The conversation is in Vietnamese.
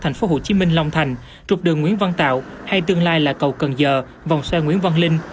ở tp hcm long thành trục đường nguyễn văn tạo hay tương lai là cầu cần giờ vòng xoay nguyễn văn linh